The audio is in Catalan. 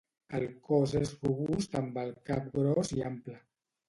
El cos és robust amb el cap gros i ample.